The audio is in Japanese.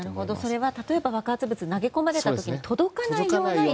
それは例えば爆発物が投げ込まれた時に届かないような位置に。